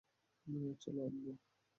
চলো, আব্বা।